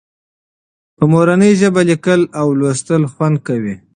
په مورنۍ ژبه لیکل او لوستل خوند کوي.